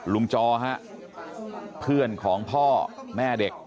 จอฮะเพื่อนของพ่อแม่เด็ก